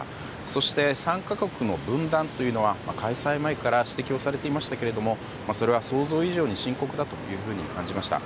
そして、参加国の分断というのは開催前から指摘をされていましたけどもそれは想像以上に深刻だと感じました。